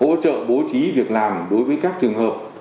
hỗ trợ bố trí việc làm đối với các trường hợp